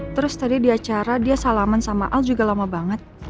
terus tadi di acara dia salaman sama al juga lama banget